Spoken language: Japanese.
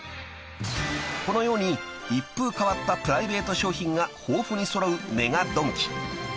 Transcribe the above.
［このように一風変わったプライベート商品が豊富に揃うＭＥＧＡドンキ］